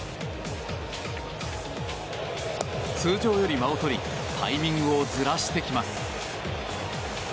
通常より間をとりタイミングをずらしてきます。